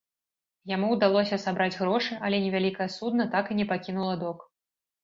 Яму ўдалося сабраць грошы, але невялікае судна так і не пакінула док.